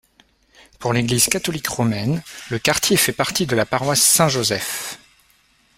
Pour l'Église catholique romaine, le quartier fait partie de la paroisse Saint-Joseph.